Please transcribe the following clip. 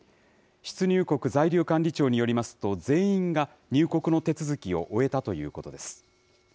出入国在留管理庁によりますと、全員が入国の手続きを終えたということです。